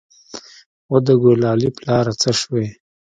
وه د ګلالي پلاره څه سوې.